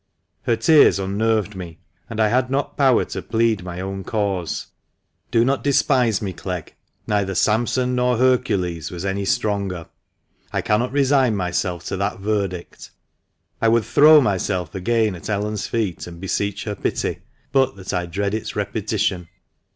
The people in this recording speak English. Her tears unnerved me, and I had not power to plead my oivn cause. Do not despise me, Clegg ; neither Samson nor Hercules was any stronger. I cannot resign myself to that verdict. I would throw myself again at Ellen's feet, and beseech her pity, but that I dread its repetition.